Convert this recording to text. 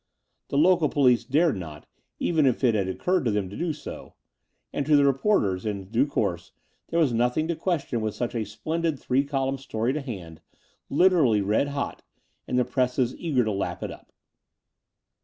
The local police dared not, even if it had occurred to them to do so; and to the reporters, in due course, there was nothing to question with such a splendid three column story to hand — literally red hot — and the presses eager to lap it up.